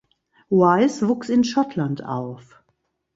Wyse wuchs in Schottland auf.